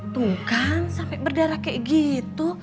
tuh kan sampai berdarah kayak gitu